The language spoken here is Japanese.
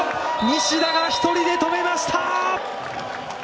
西田が１人で止めました！